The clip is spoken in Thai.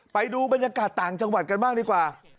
ไปดูบรรยากาศต่างจังหวัดกันบ้างดีกว่า